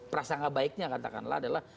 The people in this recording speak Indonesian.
perasaan gak baiknya katakanlah adalah